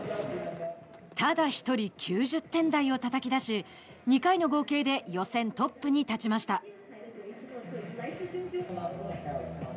ただ一人９０点台をたたき出し２回の合計で予選トップに立ちました。